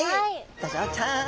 ドジョウちゃん！